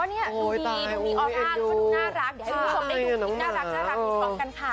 เดี๋ยวให้ทุกคนได้ดูดูดิน่ารักมีสองกันค่ะ